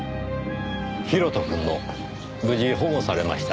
広斗くんも無事保護されました。